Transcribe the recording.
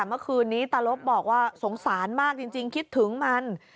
เมื่อคืนนี้ตาลบบอกว่าสงสารมากจริงคิดถึงมัน